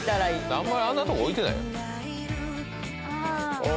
あんまりあんなとこ置いてないよ